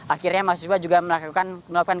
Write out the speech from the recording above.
akhirnya mahasiswa juga melakukan